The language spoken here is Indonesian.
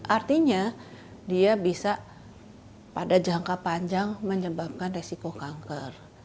artinya dia bisa pada jangka panjang menyebabkan resiko kanker